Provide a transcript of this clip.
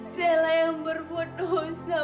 saya yang berbuat dosa